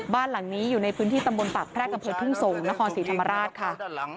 บ้านหลังนี้อยู่ในพื้นที่ตำบลปากแพรกอำเภอทุ่งสงศ์นครศรีธรรมราชค่ะ